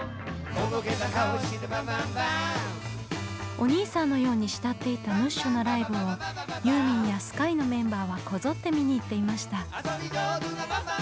おにいさんのように慕っていたムッシュのライブをユーミンやＳＫＹＥのメンバーはこぞって見に行っていました。